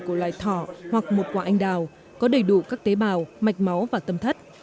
của loài thỏ hoặc một quả anh đào có đầy đủ các tế bào mạch máu và tâm thất